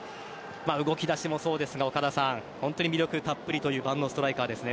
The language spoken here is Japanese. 動き出しもそうですが本当に魅力たっぷりという万能ストライカーですね